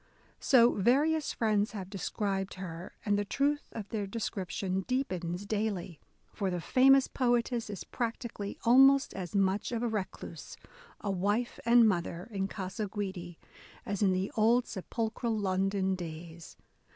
So various friends have described her ; and the truth of their description deepens daily. For the famous poetess is practically almost as much of a recluse, a wife and mother in Gasa Guidi, as in the old sepulchral London days.